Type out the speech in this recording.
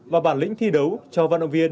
và bản lĩnh thi đấu cho vận động viên